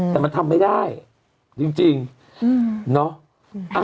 แต่มันทำไม่ได้จริงเนาะ